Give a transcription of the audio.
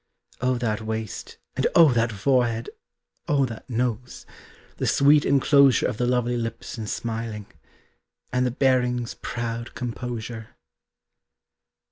Oh that waist! And oh that forehead! Oh that nose! The sweet enclosure Of the lovely lips in smiling! And the bearing's proud composure!